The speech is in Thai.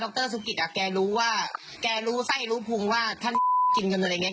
รสุกิตอ่ะแกรู้ว่าแกรู้ไส้รู้พุงว่าท่านกินเงินอะไรอย่างนี้